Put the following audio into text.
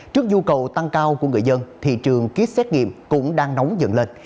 trước nhu cầu tăng cao của người dân thị trường kýt xét nghiệm cũng đang nóng dần lên